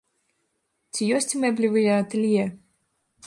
Ці ёсць мэблевыя атэлье?